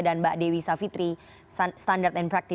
dan mbak dewi savitri